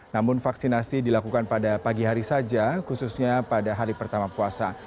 namun vaksinasi dilakukan pada pagi hari saja khususnya pada hari pertama puasa